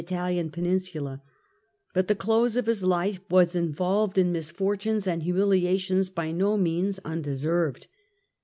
j^g Itahan Peninsula; but the close of his life was involved in misfortunes and humiliations by no means undeserved.